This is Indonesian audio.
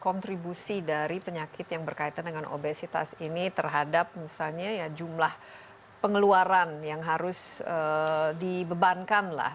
kontribusi dari penyakit yang berkaitan dengan obesitas ini terhadap misalnya ya jumlah pengeluaran yang harus dibebankan lah